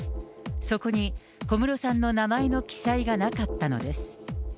そこに小室さんの名前の記載がなかったのです。